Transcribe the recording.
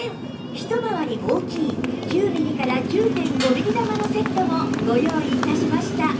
一回り大きい９ミリから ９．５ ミリ珠のセットもご用意致しました